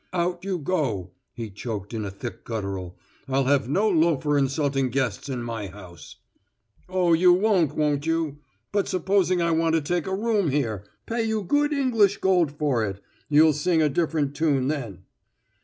"Out you go!" he choked in a thick guttural. "I'll have no loafer insulting guests in my house." "Oh, you won't, won't you? But supposing I want to take a room here pay you good English gold for it. You'll sing a different tune, then."